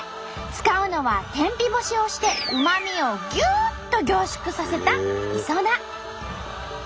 使うのは天日干しをしてうまみをぎゅっと凝縮させたいそな。